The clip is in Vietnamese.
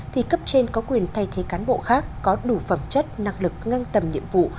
thì cấp trên có quyền thay thế cán bộ khác có đủ phẩm chất năng lực ngang tầm nhiệm vụ